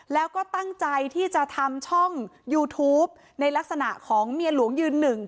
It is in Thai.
แล้วก็ตั้งใจที่จะทำช่องยูทูปในลักษณะของเมียหลวงยืนหนึ่ง